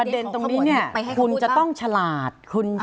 เพราะฉะนั้นประเด็นตรงนี้